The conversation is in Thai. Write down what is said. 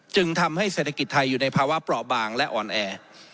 จึงทำให้เศรษฐกิจไทยอยู่ในภาวะเปราะบางและอ่อนแอ